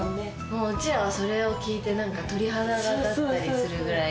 うちらはそれを聞いて鳥肌が立ったりするぐらい。